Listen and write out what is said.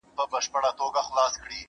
ځناورو هري خوا ته كړلې منډي.!